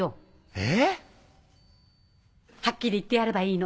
えぇ⁉はっきり言ってやればいいの。